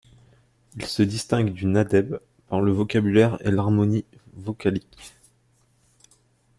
Il se distingue du nadëb par le vocabulaire et l'harmonie vocalique.